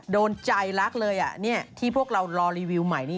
โดนใจลักษณ์เลยที่พวกเรารอรีวิวใหม่